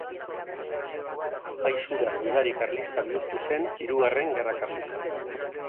Apaiz hura gudari karlista bihurtu zen Hirugarren Gerra Karlistan.